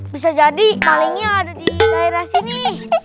bisa jadi palingnya ada di daerah sini